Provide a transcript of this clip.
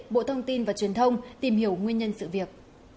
bộ thông tin và truyền thông tìm hiểu nguyên nhân sự việc